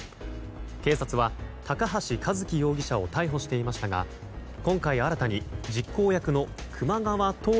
警察は高橋知輝容疑者を逮捕していましたが今回、新たに実行役の熊川瞳笑